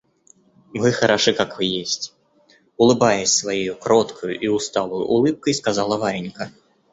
Вы хороши, как вы есть, — улыбаясь своею кроткою и усталою улыбкой, сказала Варенька.